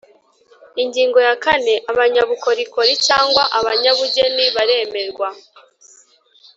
Ingingo ya kane Abanyabukorikori cyangwa abanyabugeni baremerwa